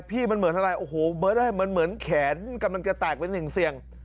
พี่มันเหมือนอะไรโอ้โหเหมือนแขนกำลังจะแตกเป็นเสี่ยง